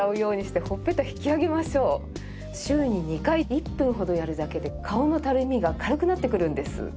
週に２回１分ほどやるだけで顔のたるみが軽くなってくるんです。